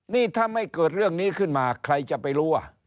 นี่ถ้าไม่เกิดเรื่องนี้ขึ้นมาใครจะไปรู้ว่า